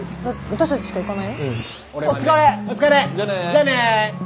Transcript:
じゃあね！